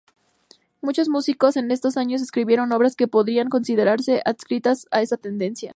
Muchos músicos en esos años escribieron obras que podrían considerarse adscritas a esta tendencia.